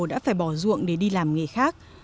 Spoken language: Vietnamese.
đã phải bỏ ruộng để đi làm nghề khác